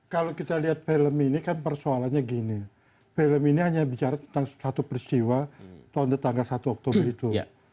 kalau kita lihat film ini kan persoalannya gini film ini hanya bicara tentang satu peristiwa tanggal satu oktober itu